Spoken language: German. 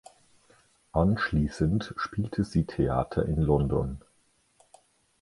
Anschließend spielte sie Theater in London.